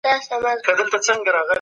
رښتيا ويل په تجارت کي اصل دی.